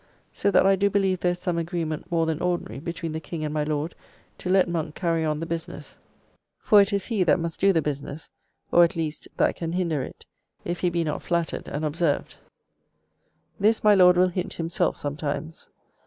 So that I do believe there is some agreement more than ordinary between the King and my Lord to let Monk carry on the business, for it is he that must do the business, or at least that can hinder it, if he be not flattered and observed. This, my Lord will hint himself sometimes.